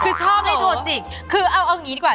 คือชอบให้โทรจิกคือเอาอย่างนี้ดีกว่า